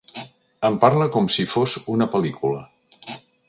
En parla com si fos una pel·lícula.